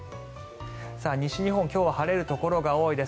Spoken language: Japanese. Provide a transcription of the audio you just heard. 西日本、今日は晴れるところが多いです。